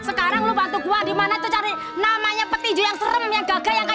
sekarang lu bantu gua dimana tuh cari namanya peti ju yang serem yang gagah yang kaya anderan